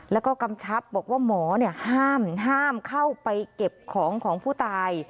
แล้วก็กำชับบอกว่าหมอห้ามเข้าไปเก็บของของผู้ตาย